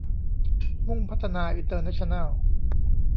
มุ่งพัฒนา อินเตอร์แนชชั่นแนล